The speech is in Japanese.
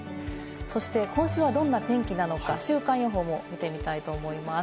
そして今週はどんな天気なのか、週間予報も見てみたいと思います。